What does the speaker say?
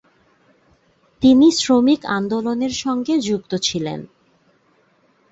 তিনি শ্রমিক আন্দোলনের সঙ্গে যুক্ত ছিলেন।